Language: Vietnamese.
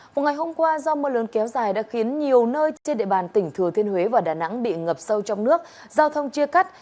vào ngày hôm qua do mưa lớn kéo dài đã khiến nhiều nơi trên địa bàn tỉnh thừa thiên huế và đà nẵng bị ngập sâu trong nước giao thông chia cắt